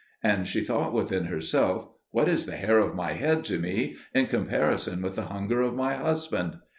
And she thought within herself, "What is the hair of my head to me in comparison with the hunger of my husband?"